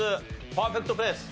パーフェクトペース。